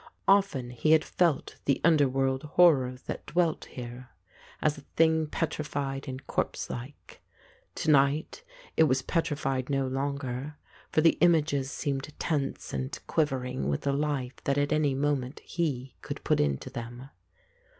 Often he had felt the underworld horror that dwelt here, as a thing petri fied and corpse like ; to night it was petrified no longer, for the images seemed tense and quivering with the life that at any moment he could put into them.